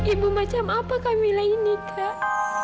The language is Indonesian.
ibu macam apa kamilah ini kak